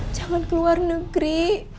jangan keluar negeri